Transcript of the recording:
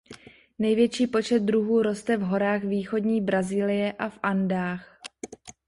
Největší počet druhů roste v horách východní Brazílie a v Andách.